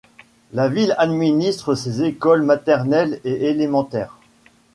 La ville administre ses écoles maternelles et élémentaires.